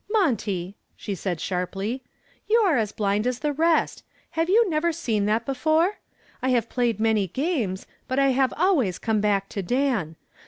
"Monty," she said, sharply, "you are as blind as the rest. Have you never seen that before? I have played many games, but I have always come back to Dan.